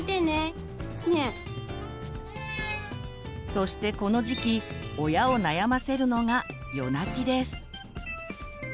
そしてこの時期親を悩ませるのが夜泣きです。